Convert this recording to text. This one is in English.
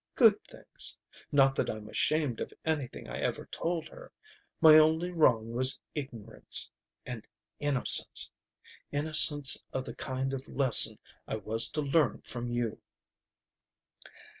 Good things. Not that I'm ashamed of anything I ever told her. My only wrong was ignorance. And innocence. Innocence of the kind of lesson I was to learn from you."